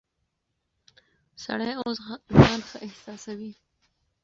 سړی اوس ځان ښه احساسوي.